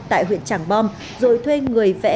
tại huyện trảng bom rồi thuê người vẽ